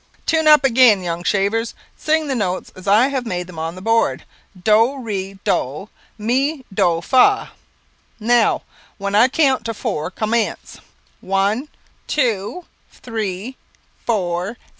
"Tune up again, young shavers! Sing the notes as I have made them on the board, Do, re do, mi, do fa. Now, when I count four commence. One two three four.